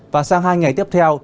và sang hai ngày tiếp theo